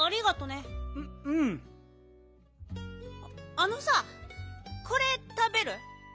あのさこれたべる？